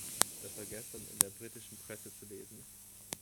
Das war gestern in der britischen Presse zu lesen.